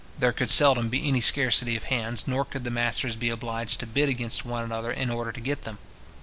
There could seldom be any scarcity of hands, nor could the masters be obliged to bid against one another in order to get them.